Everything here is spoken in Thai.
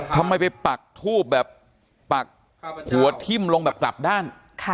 ทำไมไปปักทูบแบบปักหัวทิ้มลงแบบกลับด้าน